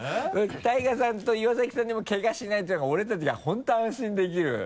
ＴＡＩＧＡさんと岩崎さんでもケガしないっていうのが俺たちが本当安心できる。